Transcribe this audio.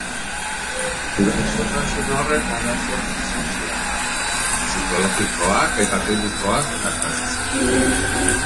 Gaixotasun horrek arazo sozialak, psikologikoak eta teknikoak dakartza.